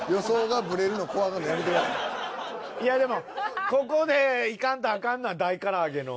いやでもここでいかんとあかんのは大からあげの。